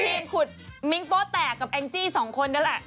นำทีมขุดมิงโป้แตกกับแองจี้สองคนด้วยแหละ